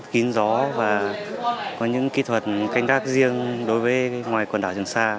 kín gió và có những kỹ thuật canh tác riêng đối với ngoài quần đảo trường sa